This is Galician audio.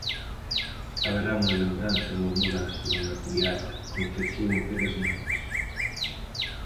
Haberá unha lembranza en honor á súa matriarca, Concepción Pérez Marcos.